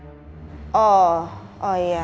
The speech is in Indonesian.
aku mau bawa bantuan ke rumah